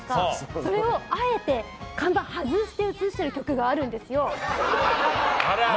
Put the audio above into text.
それをあえて看板外して映してる局があるんですよ。